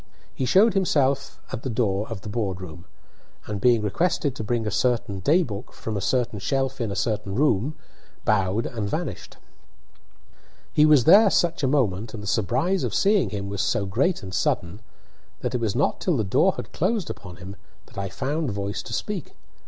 He just showed himself at the door of the board room, and, being requested to bring a certain day book from a certain shelf in a certain room, bowed and vanished. He was there such a moment, and the surprise of seeing him was so great and sudden, that it was not till the door had closed upon him that I found voice to speak.